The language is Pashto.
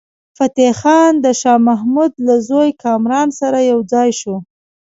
فتح خان د شاه محمود له زوی کامران سره یو ځای شو.